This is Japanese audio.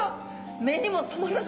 目にも留まらぬ。